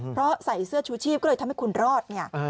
เพราะใส่เสื้อชูชีพก็เลยทำให้คุณรอดไง